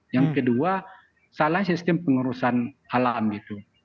yang kedua salah sistem pengurusan alam gitu